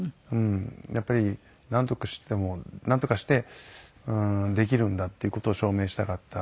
やっぱりなんとかしてできるんだっていう事を証明したかった。